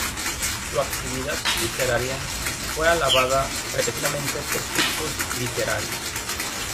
Su actividad literaria fue alabada repetidamente por críticos literarios.